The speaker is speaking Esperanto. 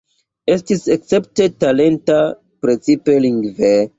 Estis escepte talenta, precipe lingve.